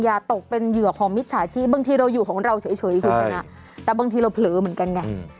อย่าตกเป็นเหยื่อของมิจฉาชีพบางทีเราอยู่ของเราเฉยคุณชนะแต่บางทีเราเผลอเหมือนกันไง